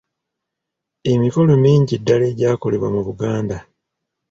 Emikolo mingi ddala egyakolebwanga mu Buganda